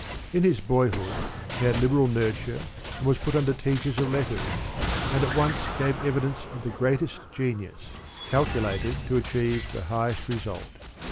In his boyhood he had liberal nurture and was put under teachers of letters, and at once gave evidence of the greatest genius, calculated to achieve the highest result.